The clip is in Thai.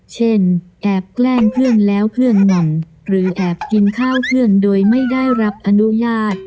เช่นแอบแกล้งเพื่อนแล้วเพื่อนหม่อมหรือแอบกินข้าวเพื่อนโดยไม่ได้รับอนุญาต